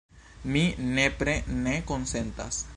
Mi nepre ne konsentas.